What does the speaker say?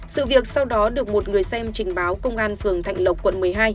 sự việc sau đó được một người xem trình báo công an phường thạnh lộc quận một mươi hai